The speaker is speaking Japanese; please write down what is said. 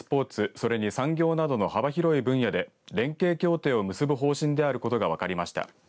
それに産業などの幅広い分野で連携協定を結ぶ方針であることが分かりました。